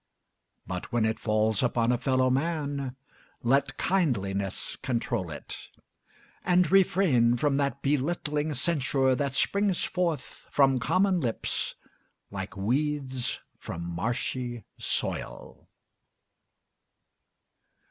But when it falls upon a fellow man Let kindliness control it; and refrain From that belittling censure that springs forth From common lips like weeds from marshy soil.